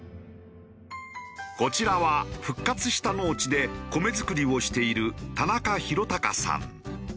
こちらは復活した農地で米作りをしている田中宏尚さん。